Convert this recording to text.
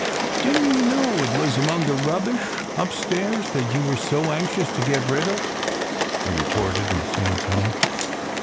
"Didn t you know it was among the rubbish upstairs that you were so anxious to get rid of ?" I retorted in the same tone.